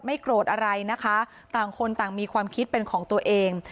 โกรธอะไรนะคะต่างคนต่างมีความคิดเป็นของตัวเอง